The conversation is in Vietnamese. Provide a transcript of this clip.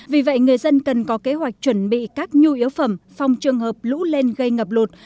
vì vậy người dân cần có kế hoạch chuẩn bị các nhu yếu phẩm phòng trường hợp lũ lên gây ngập lụt